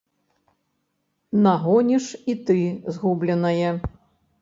Нагоніш і ты згубленае.